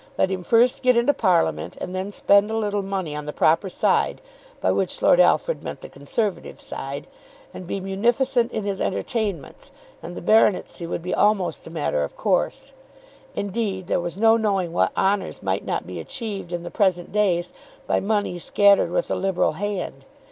Let him first get into Parliament, and then spend a little money on the proper side, by which Lord Alfred meant the Conservative side, and be munificent in his entertainments, and the baronetcy would be almost a matter of course. Indeed, there was no knowing what honours might not be achieved in the present days by money scattered with a liberal hand.